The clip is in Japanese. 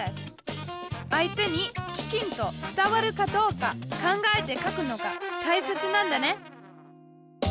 相手にきちんと伝わるかどうか考えて書くのがたいせつなんだね。